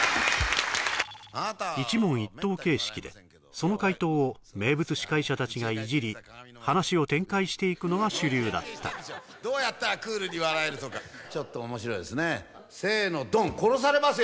一問一答形式でその解答を名物司会者達がいじり話を展開していくのが主流だったどうやったらクールに笑えるとかちょっと面白いですねせのドン殺されますよ